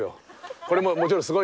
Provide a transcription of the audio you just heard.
これももちろんすごい。